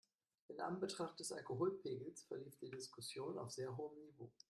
In Anbetracht des Alkoholpegels verlief die Diskussion auf sehr hohem Niveau.